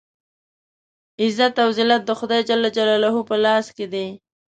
عزت او ذلت د خدای جل جلاله په لاس کې دی.